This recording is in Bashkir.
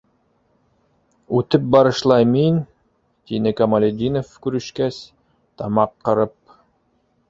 Үтеп барышлай мин... - тине Камалетдинов, күрешкәс, тамаҡ ҡырып.